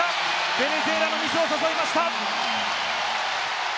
ベネズエラのミスを誘いました。